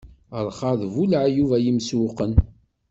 Rrxa d bu laɛyub,a yimsewwqen!